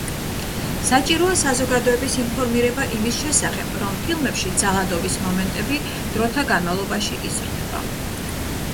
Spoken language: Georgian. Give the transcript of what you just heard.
საჭიროა საზოგადოების ინფორმირება იმის შესახებ, რომ ფილმებში ძალადობის მომენტები დროთა განმავლობაში იზრდება.